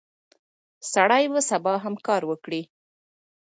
سړی به سبا هم کار وکړي.